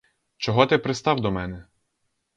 Чого ти пристав до мене?